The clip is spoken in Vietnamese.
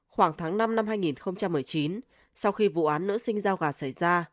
khoảng tháng năm năm hai nghìn một mươi chín sau khi vụ án nữ sinh giao gà xảy ra